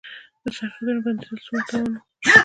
د سرحدونو بندیدل څومره تاوان و؟